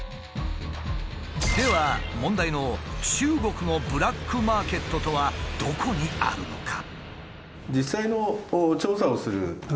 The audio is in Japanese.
では問題の「中国のブラックマーケット」とはどこにあるのか？